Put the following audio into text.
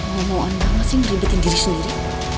mau mauan banget sih meribetin diri sendiri